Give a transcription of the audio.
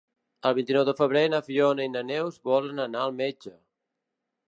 El vint-i-nou de febrer na Fiona i na Neus volen anar al metge.